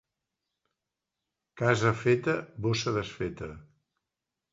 Casa feta, bossa desfeta.